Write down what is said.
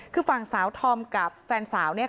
คือฝั่งสาวธอมกับแฟนสาว